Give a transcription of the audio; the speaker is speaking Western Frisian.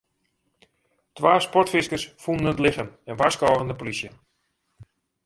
Twa sportfiskers fûnen it lichem en warskôgen de polysje.